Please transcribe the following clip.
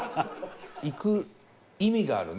行く意味があるね